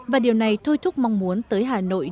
và điều này thôi thúc mong muốn tới hà nội